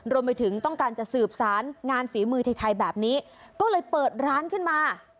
รวมไปถึงต้องการจะสืบสารงานฝีมือไทยแบบนี้ก็เลยเปิดร้านขึ้นมา